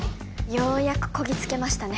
ようやくこぎつけましたね